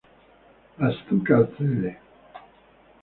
Asuka accede.